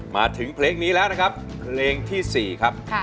มาถึงเพลงนี้แล้วนะครับเพลงที่๔ครับ